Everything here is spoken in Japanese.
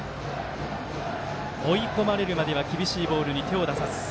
追い込まれるまでは厳しいボールに手を出さず。